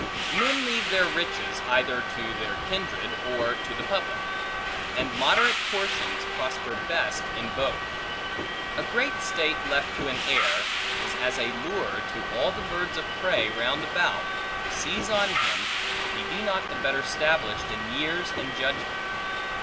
Men leave their riches, either to their kindred, or to the public; and moderate portions, prosper best in both. A great state left to an heir, is as a lure to all the birds of prey round about, to seize on him, if he be not the better stablished in years and judgment.